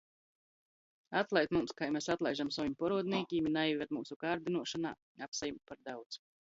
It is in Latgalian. Atlaid mums, kai mes atlaižam sovim poruodnīkim. I naīved myusu kārdynuošonā - apsajimt par daudz.